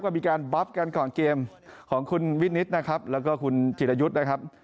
ก็มีการบ๊อบกันก่อนเกมของคุณวินิตนะครับแล้วก็คุณจิรยุทธ์นะครับ